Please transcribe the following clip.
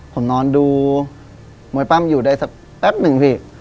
ผมนอนดูมวยปั้มอยู่ได้สักแป๊บหนึ่งพี่